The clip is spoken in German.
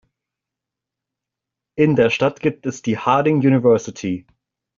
In der Stadt gibt es die Harding University.